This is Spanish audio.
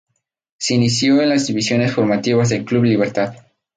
Se inició en las divisiones formativas del Club Libertad.